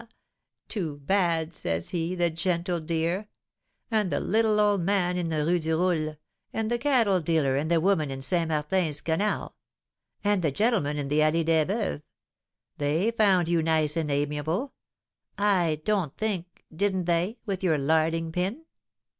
'Too bad,' says he, the gentle dear! And the little old man in the Rue du Roule; and the cattle dealer and the woman in Saint Martin's Canal; and the gentleman in the Allée des Veuves; they found you nice and amiable, I don't think didn't they with your 'larding pin?'